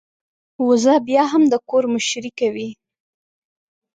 وزه بيا هم د کور مشرۍ کوي.